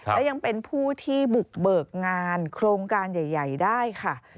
และยังเป็นผู้ที่บุกเบิกงานโครงการใหญ่ได้ค่ะ